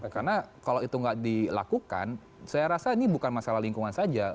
karena kalau itu nggak dilakukan saya rasa ini bukan masalah lingkungan saja